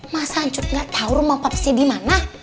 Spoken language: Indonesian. masa ancut gak tau rumah papasnya dimana